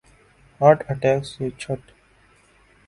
heart attack سے چھٹ